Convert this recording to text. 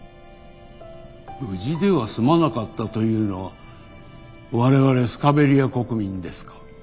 無事では済まなかったというのは我々スカベリア国民ですか？